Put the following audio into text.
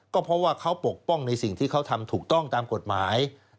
ก็เพราะว่าเขาปกป้องในสิ่งที่เขาทำถูกต้องตามกฎหมาย